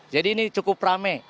jadi ini cukup rame